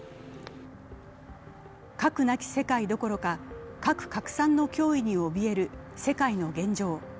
核なき世界どころか核拡散の脅威におびえる世界の現状。